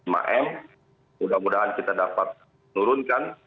mudah mudahan kita dapat menurunkan